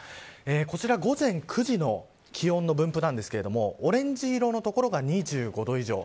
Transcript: こちら午前９時の気温の分布ですがオレンジ色の所が２５度以上。